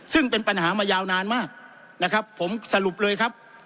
ซึ่งเป็นปัญหามายาวนานมากนะครับผมสรุปเลยครับ